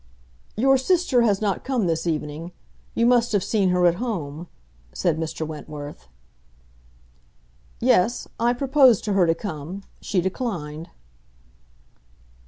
"Your sister has not come this evening. You must have seen her at home," said Mr. Wentworth. "Yes. I proposed to her to come. She declined."